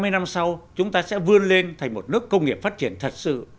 hai mươi năm sau chúng ta sẽ vươn lên thành một nước công nghiệp phát triển thật sự